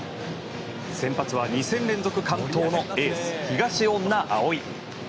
先発は２戦連続完投のエース東恩納蒼。